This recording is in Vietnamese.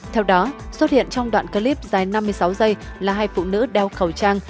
theo đó xuất hiện trong đoạn clip dài năm mươi sáu giây là hai phụ nữ đeo khẩu trang